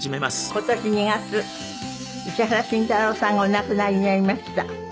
今年２月石原慎太郎さんがお亡くなりになりました。